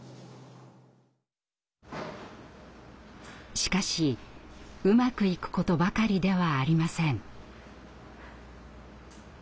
しかしうまくいくことばかりではありません。